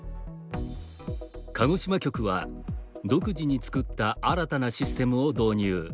鹿児島局は、独自に作った新たなシステムを導入。